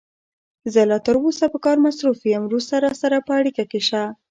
زه لا تر اوسه په کار مصروف یم، وروسته راسره په اړیکه کې شه.